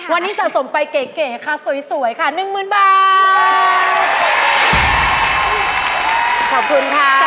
วันนี้สะสมไปเก๋ค่ะสวยค่ะ๑๐๐๐๐บาท